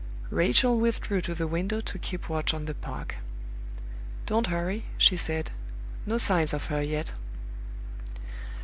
Rachel withdrew to the window to keep watch on the park. "Don't hurry," she said. "No signs of her yet."